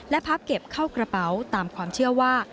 และพับเก็บเข้ากระเป๋าตามความเชื่อว่า